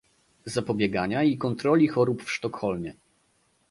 Zapobiegania i Kontroli Chorób w Sztokholmie